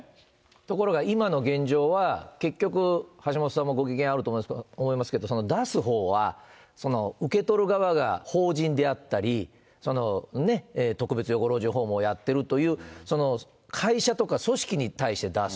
ところが今の現状は、結局、橋下さんもご記憶にあると思いますけれども、出すほうは、受け取る側が法人であったり、特別養護老人ホームをやってるという会社とか組織に対して出す。